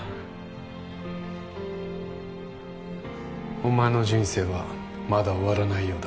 お前の人生はまだ終わらないようだ